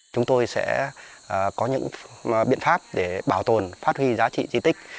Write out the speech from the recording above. chúng tôi sẽ có những biện pháp để bảo tồn phát huy giá trị di tích